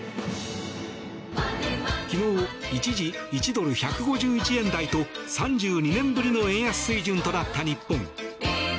昨日、一時１ドル＝１５１円台と３２年ぶりの円安水準となった日本。